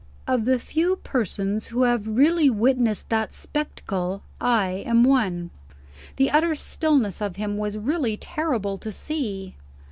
Of the few persons who have really witnessed that spectacle, I am one. The utter stillness of him was really terrible to see.